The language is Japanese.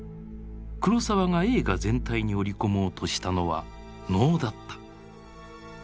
黒澤が映画全体に織り込もうとしたのは「能」だった。